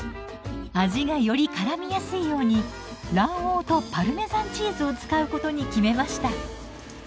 味がよりからみやすいように卵黄とパルメザンチーズを使うことに決めました。